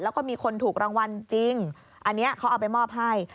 แล้วก็มีคนถูกรางวัลจริงอันนี้เขาเอาไปมอบให้